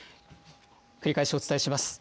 繰り返しお伝えします。